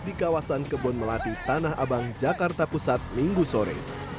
di kawasan kebon melati tanah abang jakarta pusat minggu sore